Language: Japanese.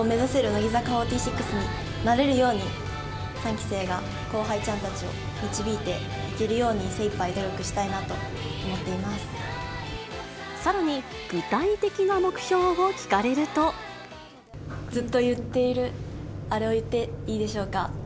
もっともっと上を目指せる乃木坂４６になれるように、３期生が後輩ちゃんたちを導いていけるように精いっぱい努力したさらに、具体的な目標を聞かずっと言っているあれを言っていいでしょうか。